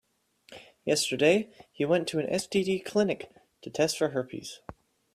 Yesterday, he went to an STD clinic to test for herpes.